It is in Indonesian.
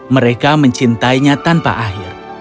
mereka mencintainya tanpa akhir